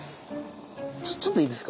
ちょっといいですか？